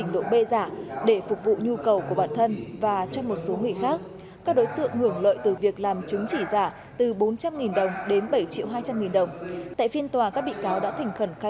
để lập một trang facebook